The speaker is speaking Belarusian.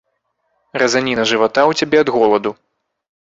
Разаніна жывата ў цябе ад голаду.